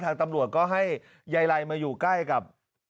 ทางตำรวจก็ให้ยายไลมาอยู่ใกล้กับ